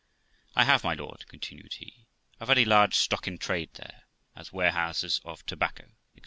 I have, my lord', continued he, 'a very large stock in trade there, as warehouses of tobacco, etc.